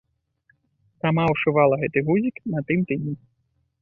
Сама ўшывала гэты гузік на тым тыдні.